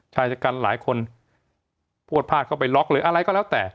ชายชะกันหลายคนพวดพลาดเข้าไปล็อกหรืออะไรก็แล้วแต่